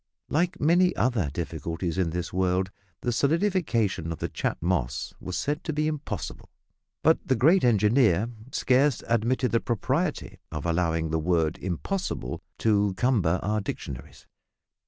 Like many other difficulties in this world, the solidification of the Chat Moss was said to be impossible, but the great engineer scarce admitted the propriety of allowing the word "impossible" to cumber our dictionaries.